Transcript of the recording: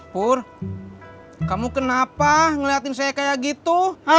pur kamu kenapa ngeliatin saya kayak gitu